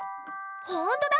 ほんとだ！